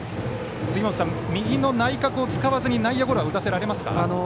右の内角を使わずに内野ゴロは打たせられますか？